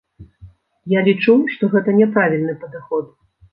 Я лічу, што гэта няправільны падыход.